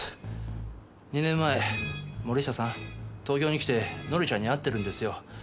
２年前森下さん東京に来て紀ちゃんに会ってるんですよ。